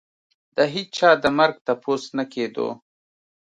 د هېچا د مرګ تپوس نه کېدو.